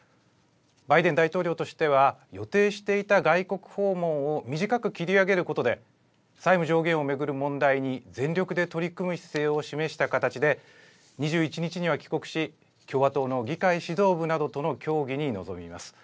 バイデン大統領としては、予定していた外国訪問を短く切り上げることで、債務上限を巡る問題に全力で取り組む姿勢を示した形で、２１日には帰国し、共和党の議会指導部などとの協議に臨みます。